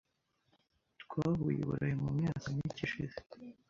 Twahuye i Burayi mu myaka mike ishize .